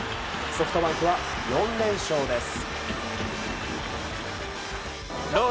ソフトバンクは４連勝です。